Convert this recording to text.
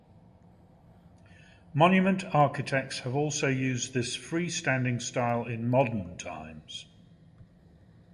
Monument architects have also used this free-standing style in modern times.